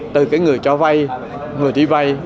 từ cái người cho vay người đi vay